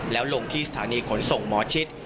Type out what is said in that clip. แล้วลงที่สถานีขนส่งหมอชิด